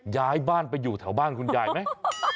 ย้ายบ้านไปอยู่แถวบ้านคุณยายไหม